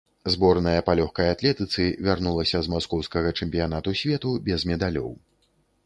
Зборная па лёгкай атлетыцы вярнулася з маскоўскага чэмпіянату свету без медалёў.